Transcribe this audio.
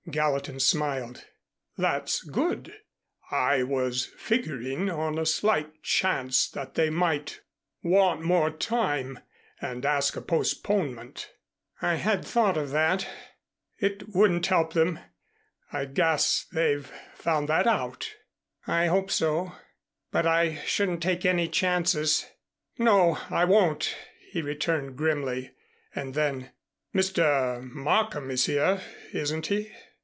Gallatin smiled. "That's good. I was figuring on a slight chance that they might want more time, and ask a postponement." "I had thought of that." "It wouldn't help them. I guess they've found that out." "I hope so. But I shouldn't take any chances." "No, I won't," he returned grimly. And then, "Mr. Markham is here, isn't he?"